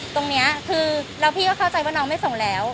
ตรงนี้คือแล้วพี่ก็เข้าใจว่าน้องไม่ส่งแล้ว